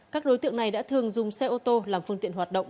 các đối tượng này đã thường dùng xe ô tô làm phương tiện hoạt động